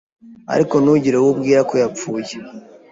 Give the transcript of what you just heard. ariko nugire uwo ubwira ko yapfuye